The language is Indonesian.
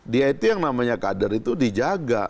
dia itu yang namanya kader itu dijaga